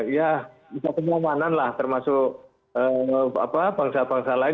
ya kita keamanan lah termasuk bangsa bangsa lain